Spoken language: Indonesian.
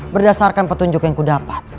berdasarkan petunjuk yang ku dapat